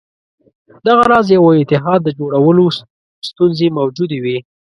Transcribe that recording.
دغه راز یوه اتحاد د جوړولو ستونزې موجودې وې.